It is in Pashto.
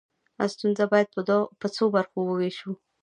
ستونزه باید په څو برخو وویشو.